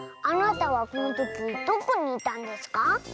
あなたはこのときどこにいたんですか？